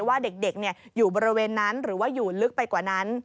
ว่าเด็กอยู่บริเวณนั้นหรือว่าอยู่ลึกไปกว่านั้น